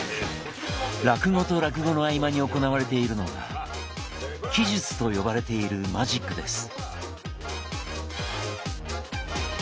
落語と落語の合間に行われているのが奇術と呼ばれているマジックです。